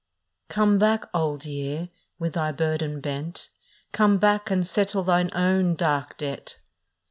" Come back, Old Year, with thy burden bent. Come back and settle thine own dark debt."